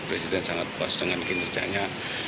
presiden sangat puas dengan kinerjanya